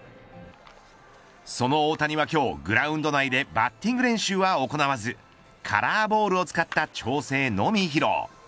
その大谷は今日グラウンド内でバッティング練習は行わずカラーボールを使った調整のみ披露。